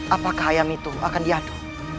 apakah ayam itu akan diatur